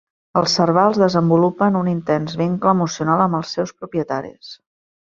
Els servals desenvolupen un intens vincle emocional amb els seus propietaris.